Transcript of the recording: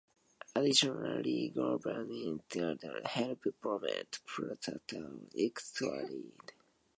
Additionally, government involvement can help promote social justice and equality.